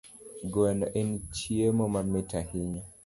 Gweno en chiemo mamit ahinya